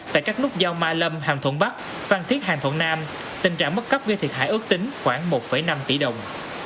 tại các nút giao ma lâm hàm thuận bắc phan thiết hàm thuận nam tình trạng mất cấp gây thiệt hại ước tính khoảng một năm tỷ đồng